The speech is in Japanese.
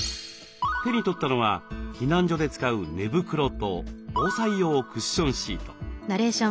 手に取ったのは避難所で使う寝袋と防災用クッションシート。